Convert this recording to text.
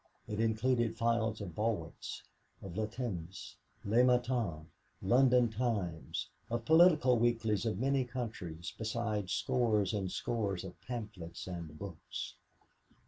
It included files of Vorwaerts, of Le Temps, Le Matin, London Times, of political weeklies of many countries, besides scores and scores of pamphlets and books.